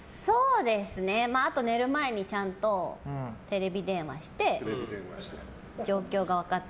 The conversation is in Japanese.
あと、寝る前にちゃんとテレビ電話して状況が分かって。